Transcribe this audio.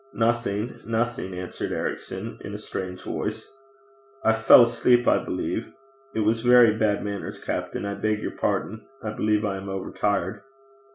'Nothing, nothing,' answered Ericson, in a strange voice. 'I fell asleep, I believe. It was very bad manners, captain. I beg your pardon. I believe I am overtired.'